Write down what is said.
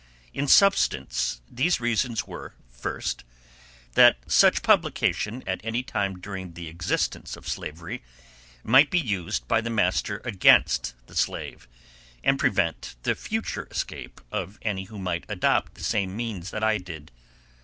In substance these reasons were, first, that such publication at any time during the existence of slavery might be used by the master against the slave, and prevent the future escape of any who might adopt the same means that I did.